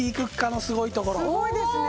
すごいですね。